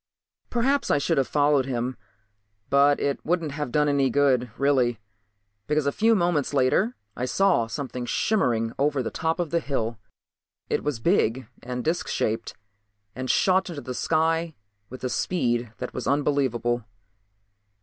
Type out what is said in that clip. Perhaps I should have followed him, but it wouldn't have done any good, really. Because a few moments later I saw something shimmering over the top of the hill. It was big and disc shaped and shot into the sky with a speed that was unbelievable.